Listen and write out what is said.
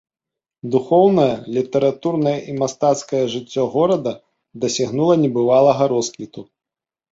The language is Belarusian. Духоўнае, літаратурнае і мастацкае жыццё горада дасягнула небывалага росквіту.